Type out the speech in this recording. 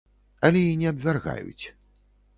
Але і не абвяргаюць.